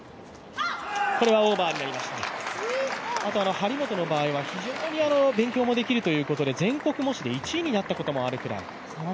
張本の場合は非常に勉強もできるということで、全国模試で１位になったこともあるくらい。